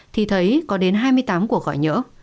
thì thấy có đến hai mươi tám cuộc gọi nhỡ